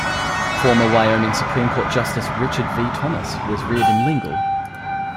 Former Wyoming Supreme Court Justice Richard V. Thomas was reared in Lingle.